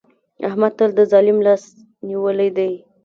احمد تل د ظالم لاس نيولی دی.